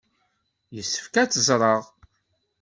Yessefk ad t-ẓreɣ.